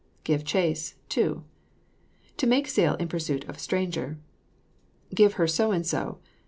GIVE CHASE, TO. To make sail in pursuit of a stranger. GIVE HER SO AND SO.